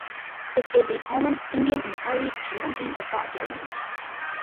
It is a common Indian, Nepalese, Sri Lankan or Thai given name.